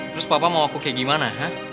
terus papa mau aku kayak gimana ya